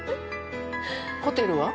ホテルは？